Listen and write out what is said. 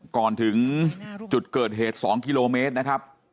ก่อนถึงจุดเกิดเหตุ๒กิโลเมตรนะครับ